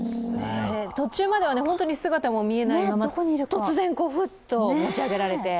途中までは本当に姿も見えないまま突然、ふっと持ち上げられて。